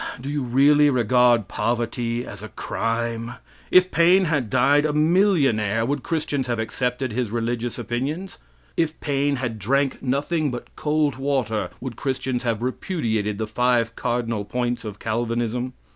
Do you really regard poverty as a crime? If Paine had died a millionaire, would Christians have accepted his religious opinions? If Paine had drank nothing but cold water, would Christians have repudiated the five cardinal points of Calvinism?